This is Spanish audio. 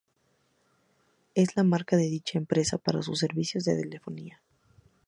Es la marca de dicha empresa para sus servicios de telefonía móvil.